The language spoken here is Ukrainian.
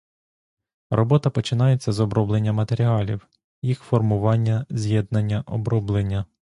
Робота починається з оброблення матеріалів, їх формування, з'єднання, оброблення.